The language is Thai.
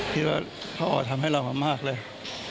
พี่ว่าพ่อทำให้เรามากเลย